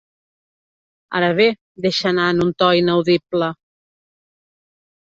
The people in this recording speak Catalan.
Ara bé —deixa anar en un to inaudible—.